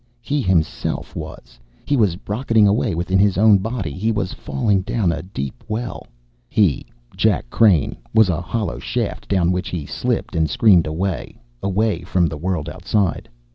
He himself was. He was rocketing away within his own body. He was falling down a deep well. He, Jack Crane, was a hollow shaft down which he slipped and screamed, away, away, from the world outside.